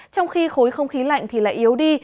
trong khi khối không khí lạnh thì lại yếu đi